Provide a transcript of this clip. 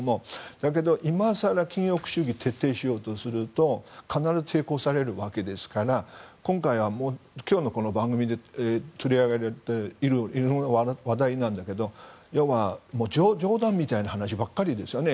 だけど、今更禁欲主義を徹底しようとすると必ず抵抗されるわけですから今日のこの番組で取り上げられている色んな話題なんだけど冗談みたいな話ばかりですよね。